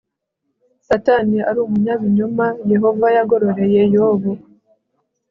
Satani ari umunyabinyoma Yehova yagororeye Yobu